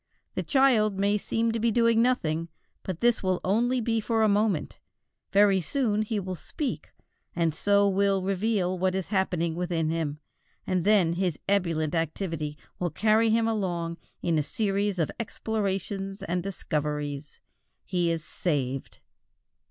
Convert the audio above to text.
The child may seem to be doing nothing, but this will only be for a moment; very soon he will speak, and so will reveal what is happening within him, and then his ebullient activity will carry him along in a series of explorations and discoveries. He is saved.